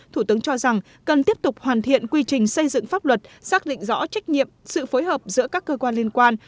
thủ tướng cho rằng cần tiếp tục hoàn thiện quy trình xây dựng pháp luật xác định rõ trách nhiệm sự phối hợp giữa các cơ quan liên quan